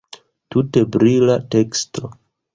Tute brila teksto.